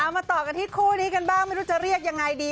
มาต่อกันที่คู่นี้กันบ้างไม่รู้จะเรียกยังไงดี